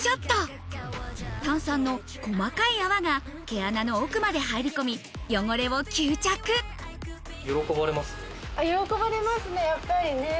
炭酸の細かい泡が毛穴の奥まで入り込み汚れを吸着やっぱりね。